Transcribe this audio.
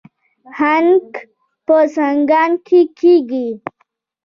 هنګ په سمنګان کې کیږي